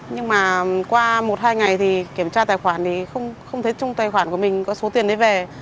nhưng mà qua một hai ngày thì kiểm tra tài khoản thì không thấy chung tài khoản của mình có số tiền đấy về